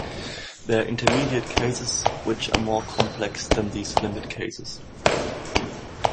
There are intermediate cases which are more complex than these limit cases.